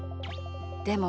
でも。